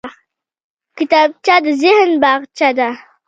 کتابچه د ذهن باغچه ده